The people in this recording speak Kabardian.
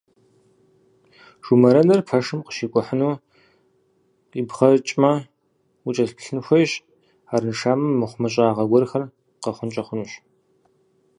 Жумэрэныр пэшым къыщикӏухьыну къибгъэкӏмэ, укӏэлъыплъын хуейщ, арыншамэ, мыхъумыщӏагъэ гуэрхэр къэхъункӏэ хъунущ.